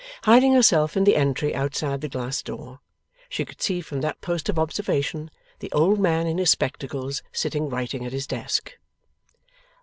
Hiding herself in the entry outside the glass door, she could see from that post of observation the old man in his spectacles sitting writing at his desk.